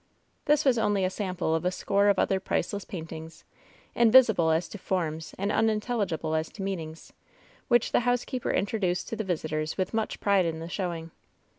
This was only a sample of a score of other priceless paintings, invisible as to forms and unintelligible as to meanings, which the housekeeper introduced to the visi tors with much pride in the showing.